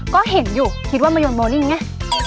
ก็เห็นอยู่คิดว่ามายนโมลิ่งไง